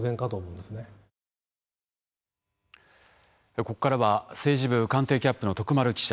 ここからは政治部・官邸キャップの徳丸記者